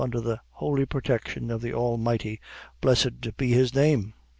undher the holy protection of the Almighty, blessed be His name!